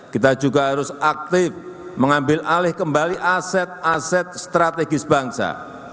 kita juga harus aktif mengambil alih kembali aset aset strategis bangsa